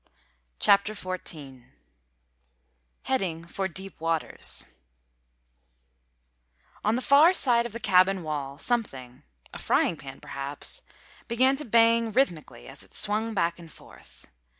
CHAPTER XIV HEADING FOR DEEP WATERS On the far side of the cabin wall something—a frying pan, perhaps—began to bang rhythmically as it swung back and forth.